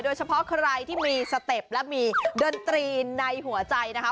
โดยเฉพาะใครที่มีสเต็ปและมีดนตรีในหัวใจนะคะ